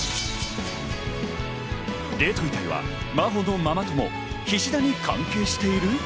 冷凍遺体は真帆のママ友・菱田に関係している？